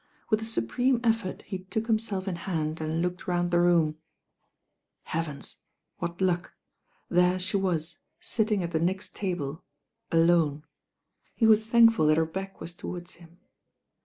With a supreme effort he took himself in hand and looked round the room. Heav ens I what luck. There she was sitting at the next table, alone. He was thankful that her back was towards him.